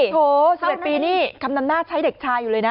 โอ้โห๑๑ปีนี่คำนำหน้าใช้เด็กชายอยู่เลยนะ